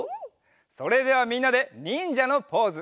それではみんなでにんじゃのポーズ。